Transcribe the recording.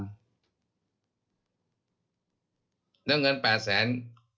แล้วเงิน๘แสน